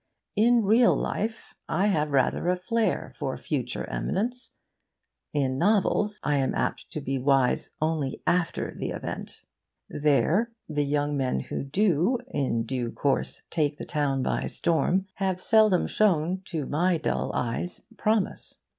In real life I have rather a flair for future eminence. In novels I am apt to be wise only after the event. There the young men who do in due course take the town by storm have seldom shown (to my dull eyes) promise.